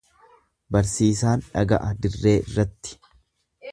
Barsiisaan dhaga'a dirree irratti.